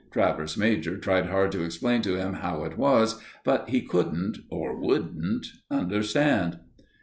Travers major tried hard to explain to him how it was, but he couldn't or wouldn't understand.